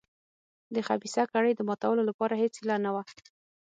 د خبیثه کړۍ د ماتولو لپاره هېڅ هیله نه وه.